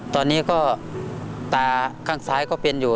ตอนนี้ก็ตาข้างซ้ายก็เป็นอยู่